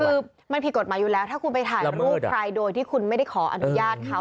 คือมันผิดกฎหมายอยู่แล้วถ้าคุณไปถ่ายรูปใครโดยที่คุณไม่ได้ขออนุญาตเขา